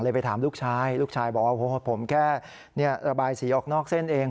ไปถามลูกชายลูกชายบอกว่าโอ้โหผมแค่ระบายสีออกนอกเส้นเอง